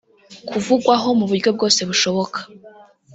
kuvugwaho mu buryo bwose bushoboka